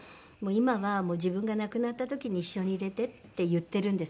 今は自分が亡くなった時に一緒に入れてって言ってるんですけどね。